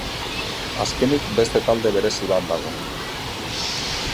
Azkenik, beste talde berezi bat dago.